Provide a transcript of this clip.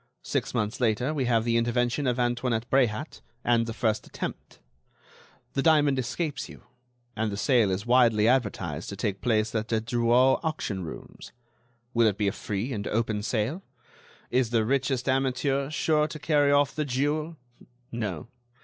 Six months later we have the intervention of Antoinette Bréhat and the first attempt. The diamond escapes you, and the sale is widely advertised to take place at the Drouot auction rooms. Will it be a free and open sale? Is the richest amateur sure to carry off the jewel? No.